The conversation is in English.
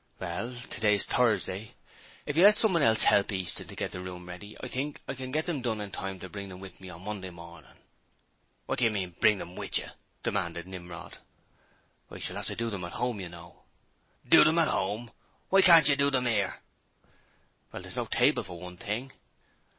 'Well, today's Thursday. If you let someone else help Easton to get the room ready, I think I can get them done in time to bring them with me on Monday morning.' 'Wot do yer mean, "bring them with you"?' demanded Nimrod. 'I shall have to do them at home, you know.' 'Do 'em at 'ome! Why can't you do 'em 'ere?' 'Well, there's no table, for one thing.'